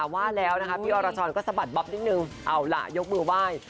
ว่าแล้วนะคะพี่อรชรก็สะบัดบ๊อบนิดนึงเอาล่ะยกมือไหว้